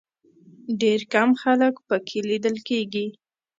ډېر کم خلک په کې لیدل کېږي.